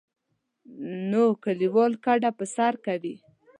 نو کلیوال کډه په سر کوي.